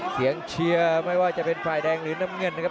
เชียร์ไม่ว่าจะเป็นฝ่ายแดงหรือน้ำเงินนะครับ